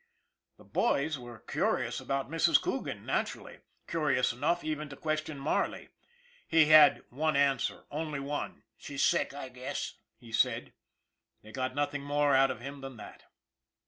The boys were curious about Mrs. Coogan, natur ally ; curious enough even to question Marley. He had one answer, only one. " She's sick, I guess," he said. They got nothing more out of him than that.